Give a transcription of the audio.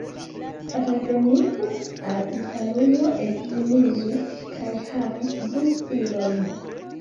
Reveninte al Italujo edziniĝis kaj havis du filojn.